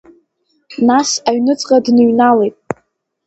Нас аҩныҵҟа дныҩналеит.